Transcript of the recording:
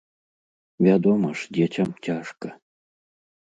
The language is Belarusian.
Вядома ж, дзецям цяжка.